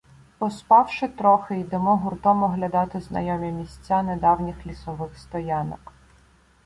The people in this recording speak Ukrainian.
Поспавши трохи, йдемо гуртом оглядати знайомі місця недавніх лісових стоянок.